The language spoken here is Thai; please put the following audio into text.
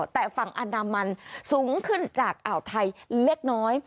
แต่ฝั่งอันดามันสูงขึ้นจากอ่าวไทยเล็กน้อย